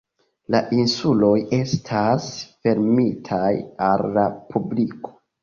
La insuloj estas fermitaj al la publiko.